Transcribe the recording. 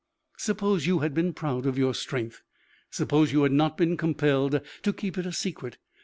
Suppose you had been proud of your strength. Suppose you had not been compelled to keep it a secret.